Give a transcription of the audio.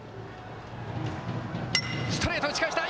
ストレート、打ち返した。